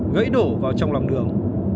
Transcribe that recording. gãy đổ vào trong lòng đường